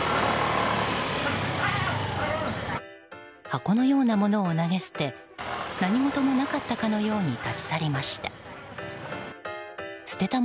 箱のようなものを投げ捨て何事もなかったかのように立ち去りました。